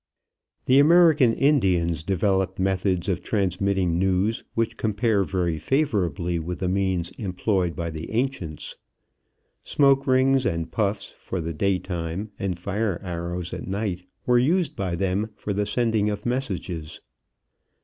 The American Indians developed methods of transmitting news which compare very favorably with the means employed by the ancients. Smoke rings and puffs for the daytime, and fire arrows at night, were used by them for the sending of messages.